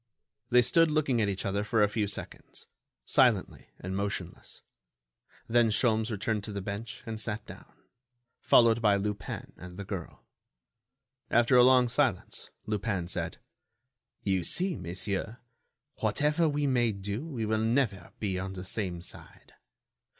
They stood looking at each other for a few seconds, silently and motionless. Then Sholmes returned to the bench and sat down, followed by Lupin and the girl. After a long silence, Lupin said: "You see, monsieur, whatever we may do, we will never be on the same side.